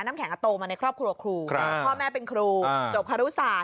น้ำแข็งโตมาในครอบครัวครูพ่อแม่เป็นครูจบคารุศาสต